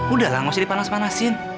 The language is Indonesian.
udahlah nggak usah dipanas panasin